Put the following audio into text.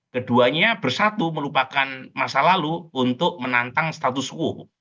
keduanya bersatu melupakan masa lalu untuk menantang status uhu